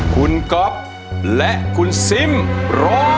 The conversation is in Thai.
คุณก๊อฟและคุณซิมร้อง